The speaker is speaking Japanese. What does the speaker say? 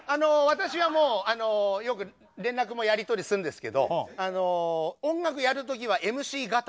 私はもうよく連絡もやりとりするんですけど音楽やる時はＭＣＧＡＴＡっていうね。